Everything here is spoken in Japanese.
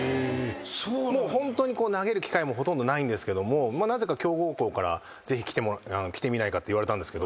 もうホントに投げる機会もほとんどないんですけどもなぜか強豪校から「ぜひ来てみないか」って言われたんですけど。